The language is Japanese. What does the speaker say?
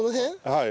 はい。